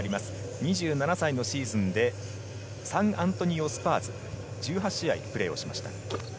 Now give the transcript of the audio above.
２７歳のシーズンで、サンアントニオ・スパーズ、１８試合プレーしました。